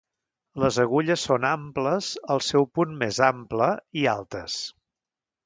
Les agulles son amples al seu punt més ample i altes.